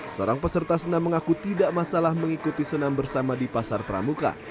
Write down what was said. seorang peserta senam mengaku tidak masalah mengikuti senam bersama di pasar pramuka